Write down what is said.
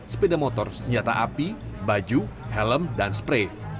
sepeda motor senjata api baju helm dan spray